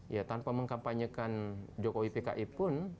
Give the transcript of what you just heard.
ya tanpa mengkampanyekan jokowi pki pun